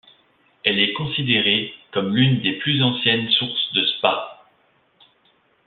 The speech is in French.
Elle est considérée comme l'une des plus anciennes sources de Spa.